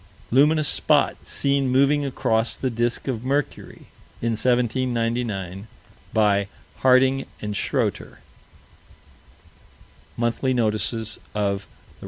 Luminous spot seen moving across the disk of Mercury, in 1799, by Harding and Schroeter. (_Monthly Notices of the R.A.